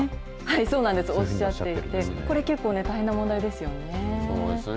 そうなんです、おっしゃっていて、これ、結構大変な問題ですそうですよね、